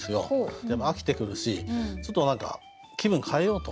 でも飽きてくるしちょっと何か気分変えようと思ってね